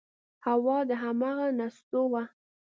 هو دا همغه نستوه و…